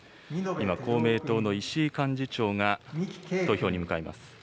今、公明党の石井幹事長が投票に向かいます。